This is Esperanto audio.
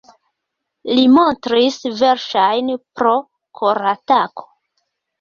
Li mortis verŝajne pro koratako.